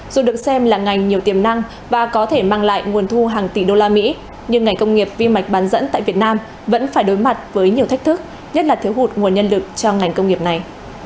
dù được xem là ngành nhiều tiềm năng và có thể mang lại nguồn thu hàng tỷ đô la mỹ nhưng ngành công nghiệp vi mạch bán dẫn tại việt nam vẫn phải đối mặt với nhiều thách thức nhất là thiếu hụt nguồn nhân lực cho ngành công nghiệp này